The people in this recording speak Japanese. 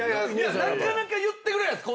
なかなか言ってくれないです！